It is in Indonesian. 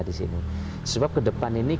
disini sebab kedepan ini